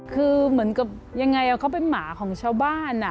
คือเหมือนกับยังไงเขาเป็นหมาของชาวบ้าน